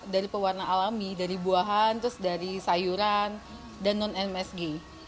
dari pewarna alami dari buahan terus dari sayuran dan non msg